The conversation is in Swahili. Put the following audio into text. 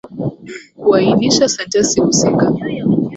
Kuainisha sentensi husika.